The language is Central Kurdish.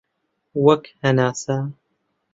وەک هەناسە